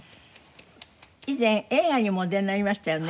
以前映画にもお出になりましたよね。